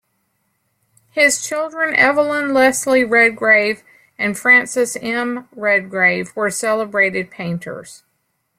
His children Evelyn Leslie Redgrave and Frances M Redgrave were celebrated painters.